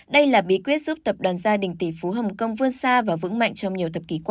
đây là bí quyết giúp tập đoàn gia đình tỷ phú hồng kông vươn xa và vững mạnh trong nhiều thập kỷ qua